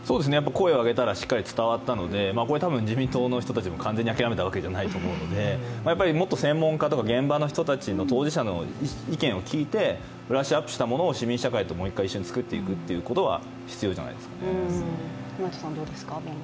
声を上げたらしっかり伝わったので、自民党の人たちも完全に諦めたわけではないと思うので、もっと専門家とか現場の人たちの当事者の意見を聞いてブラッシュアップしたものを市民と一緒に作っていくことも必要だと思いますね。